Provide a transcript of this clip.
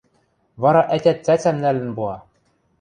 Вара ӓтят цӓцӓм нӓлӹн пуа...